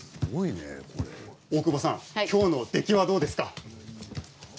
大久保さん、きょうの出来はどうですか。